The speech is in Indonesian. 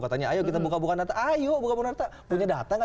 katanya ayo kita buka buka data ayo buka buka data punya data gak